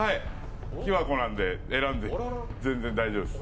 木箱なんで選んで全然大丈夫です。